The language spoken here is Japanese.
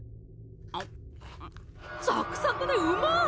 あむっんっサクサクでうまっ！